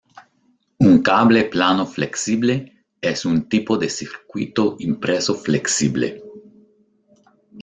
Un cable plano flexible es un tipo de circuito impreso flexible.